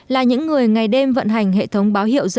là những người ngày đêm vận hành hệ thống báo hiệu